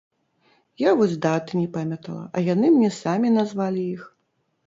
Я вось даты не памятала, а яны мне самі назвалі іх.